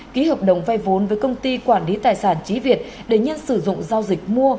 ký hợp đồng vay vốn với công ty quản lý tài sản trí việt để nhân sử dụng giao dịch mua